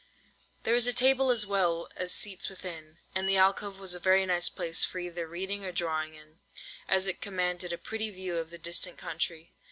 There was a table as well as seats within; and the alcove was a very nice place for either reading or drawing in, as it commanded a pretty view of the distant country.